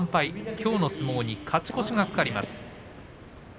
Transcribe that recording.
きょうの相撲に勝ち越しが懸かります。